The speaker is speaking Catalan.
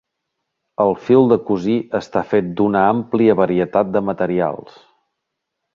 El fil de cosir està fet d'una àmplia varietat de materials.